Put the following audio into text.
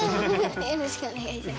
よろしくお願いします。